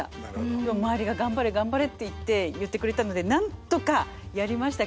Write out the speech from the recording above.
でも周りが「頑張れ頑張れ」っていって言ってくれたのでなんとかやりましたけど。